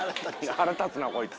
腹立つなぁこいつ。